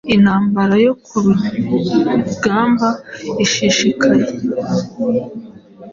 Intambara yo ku rugamba ishishikaye